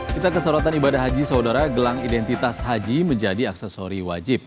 kita ke sorotan ibadah haji saudara gelang identitas haji menjadi aksesori wajib